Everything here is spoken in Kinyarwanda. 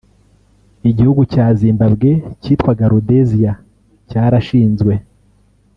Igihugu cya Zimbabwe (cyitwaga Rhodesia) cyarashinzwe